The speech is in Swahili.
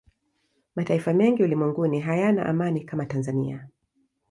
mataifa mengi ulimwenguni hayana amani kama tanzania